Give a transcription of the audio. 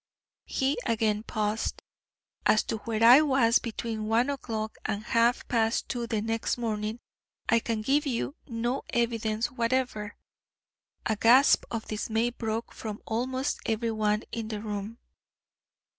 He again paused. "As to where I was between one o'clock and half past two the next morning, I can give you no evidence whatever." A gasp of dismay broke from almost every one in the room.